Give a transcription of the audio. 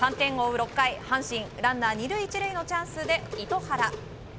６回、阪神ランナー２塁１塁のチャンスで糸原。